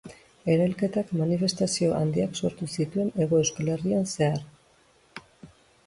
Erailketak manifestazio handiak sortu zituen Hego Euskal Herrian zehar.